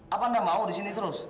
apa anda mau di sini terus